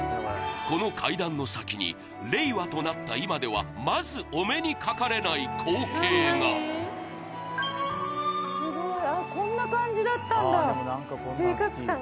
この階段の先に令和となった今ではまずお目にかかれない光景がすごいあっこんな感じだったんだ。